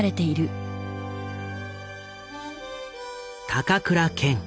高倉健。